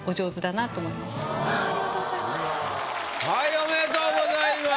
ありがとうございます。